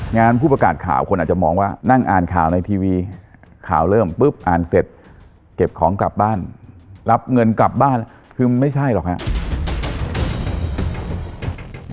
งั้นผู้ประกาศข่าวคนอาจจะมองว่านั่งอ่านข่าวในทีวีข่าวเริ่มปุ๊บอ่านเสร็จเก็บของกลับบ้านรับเงินกลับบ้านคือไม่ใช่หรอกครับ